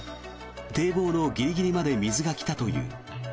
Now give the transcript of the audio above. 堤防のギリギリまで水が来たという。